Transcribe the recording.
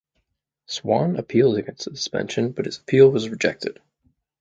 Swann appealed against the suspension but his appeal was rejected.